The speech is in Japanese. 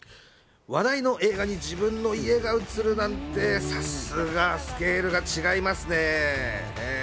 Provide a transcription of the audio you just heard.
話題の映画に自分の家が映るなんてさすがスケールが違いますね。